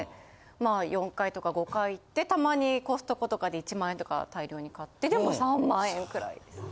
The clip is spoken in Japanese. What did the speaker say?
まあ４回とか５回行ってたまにコストコとかで１万円とか大量に買ってでも３万円くらいです。